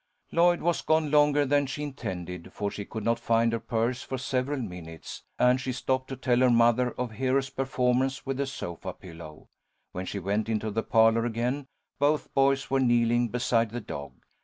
Lloyd was gone longer than she intended, for she could not find her purse for several minutes, and she stopped to tell her mother of Hero's performance with the sofa pillow. When she went into the parlour again, both boys were kneeling beside the dog.